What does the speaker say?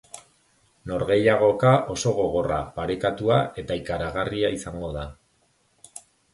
Norgehiagoka oso gogorra, parekatua eta ikaragarria izango da.